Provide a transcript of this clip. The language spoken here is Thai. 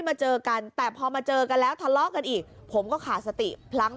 มาเจอกันแต่พอมาเจอกันแล้วทะเลาะกันอีกผมก็ขาดสติพลั้ง